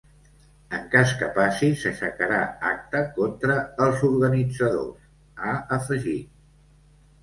En cas que passi, s’aixecarà acta contra els organitzadors, ha afegit.